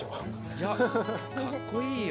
いやかっこいいよ。